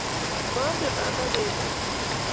Maame mama pendo.